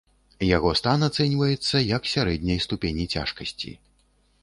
Яго стан ацэньваецца як сярэдняй ступені цяжкасці.